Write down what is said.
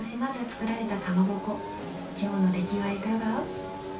今日の出来はいかが？